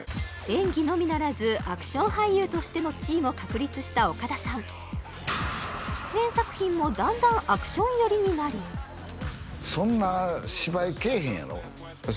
演技のみならずアクション俳優としての地位も確立した岡田さん出演作品もだんだんアクション寄りになりそんな芝居けえへんやろ？